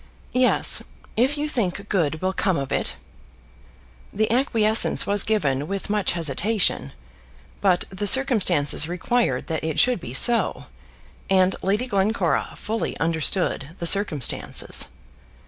"Yes, if you think good will come of it." The acquiescence was given with much hesitation; but the circumstances required that it should be so, and Lady Glencora fully understood the circumstances.